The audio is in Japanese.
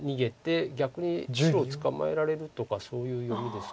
逆に白を捕まえられるとかそういう読みですか。